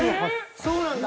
そうなんだ。